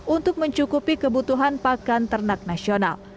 untuk mencukupi kebutuhan pakan ternak nasional